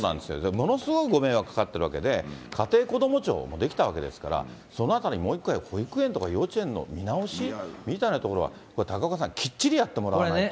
ものすごいご迷惑かかってるわけで、家庭こども庁も出来たわけですから、そのあたりもう一回、保育園とか幼稚園の見直しみたいなところは、高岡さん、きっちりやってもらわないと。